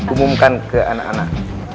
umumkan ke anak anak